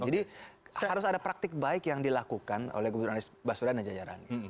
jadi harus ada praktik baik yang dilakukan oleh gubernur anies basura dan najajarani